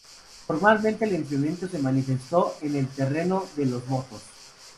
Formalmente, el enfrentamiento se manifestó en el terreno de los votos.